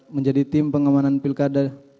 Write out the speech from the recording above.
menjadi tim pengamanan pilkada